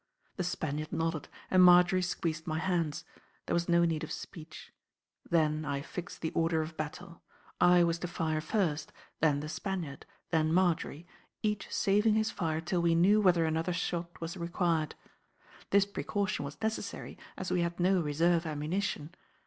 The Spaniard nodded and Marjory squeezed my hands; there was no need of speech. Then I fixed the order of battle. I was to fire first, then the Spaniard, then Marjory, each saving his fire till we knew whether another shot was required. This precaution was necessary, as we had no reserve ammunition.